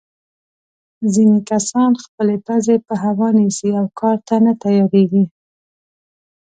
ځینې کسان خپلې پزې په هوا نیسي او کار ته نه تیارېږي.